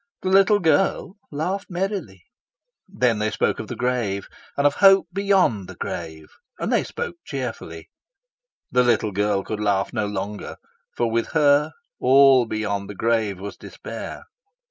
The little girl laughed merrily. Then they spoke of the grave and of hope beyond the grave; and they spoke cheerfully. The little girl could laugh no longer, for with her all beyond the grave was despair.